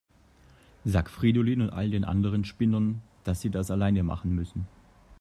Sag Fridolin und all den anderen Spinnern, dass sie das alleine machen müssen.